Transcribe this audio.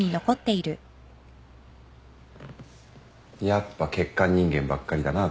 やっぱ欠陥人間ばっかりだな